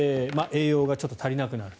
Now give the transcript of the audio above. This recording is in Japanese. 栄養がちょっと足りなくなる。